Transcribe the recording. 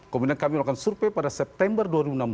kemudian kami melakukan survei pada september dua ribu enam belas